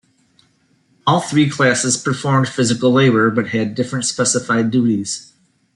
All three classes performed physical labor, but had different specified duties.